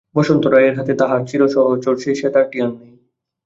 বসন্ত রায়ের হাতে তাঁহার চিরসহচর সে সেতারটি আর নাই।